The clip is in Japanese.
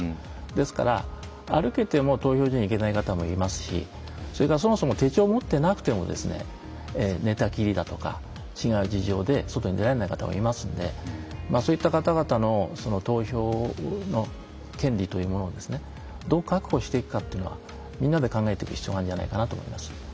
ですから、歩けても投票所に行けない方もいますしそれから手帳を持っていなくても寝たきりだとか違う事情で外に出られない方もいますのでそういった方々の投票の権利というものをどう確保していくかというのはみんなで考えていく必要があるんじゃないかなと思います。